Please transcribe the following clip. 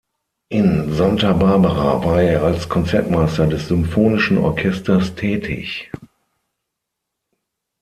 In Santa Barbara war er als Konzertmeister des symphonischen Orchesters tätig.